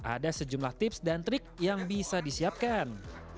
ada sejumlah tips dan trik yang bisa disiapkan